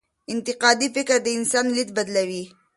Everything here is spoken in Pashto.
انتقادي فکر د انسان لید بدلوي.